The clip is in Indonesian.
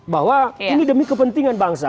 bahwa ini demi kepentingan bangsa